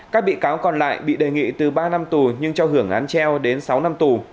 các bị cáo còn lại bị đề nghị từ ba năm tù nhưng cho hưởng án treo đến sáu năm tù